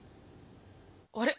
あれ？